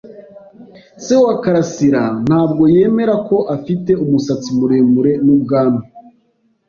Se wa karasira ntabwo yemera ko afite umusatsi muremure n'ubwanwa.